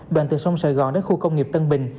đoàn từ sông sài gòn đến khu công nghiệp tân bình